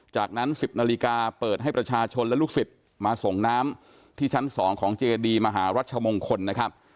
จากนั้น๑๐นาฬิกาเปิดให้ประชาชนและลูกศิษย์มาส่งน้ำที่ชั้น๒ของเจดีมหารัชมงคลนะครับ